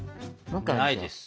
ないです。